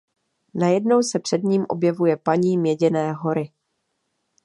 Najednou se před ním objevuje Paní Měděné hory.